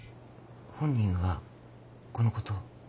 本人はこのことを？